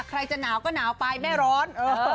ใครจะหนาวก็หนาวไปแม่ร้อน